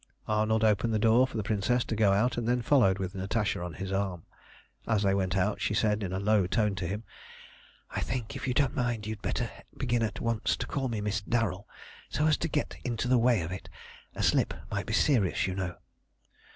Arnold opened the door for the Princess to go out, and then followed with Natasha on his arm. As they went out, she said in a low tone to him "I think, if you don't mind, you had better begin at once to call me Miss Darrel, so as to get into the way of it. A slip might be serious, you know."